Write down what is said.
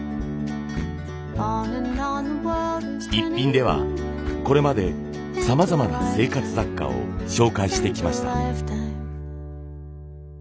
「イッピン」ではこれまでさまざまな生活雑貨を紹介してきました。